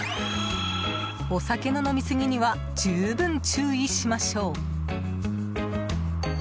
お酒の飲み過ぎには十分注意しましょう。